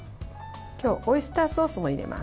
今日、オイスターソースも入れます。